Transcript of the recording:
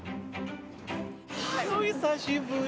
久しぶり。